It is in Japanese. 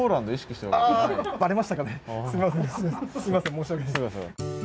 申し訳ない。